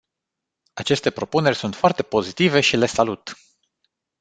Aceste propuneri sunt foarte pozitive și le salut.